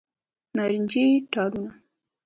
نارنجې ټالونه